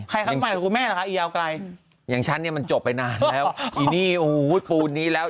ใกล้ใกล้อย่างฉันเนี้ยมันจบไปนานแล้วอีนี่อู๋วุดปูนนี้แล้ว